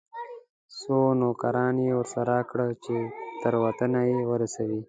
څو نوکران یې ورسره کړه چې تر وطنه یې ورسوي.